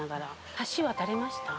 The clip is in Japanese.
橋渡りました？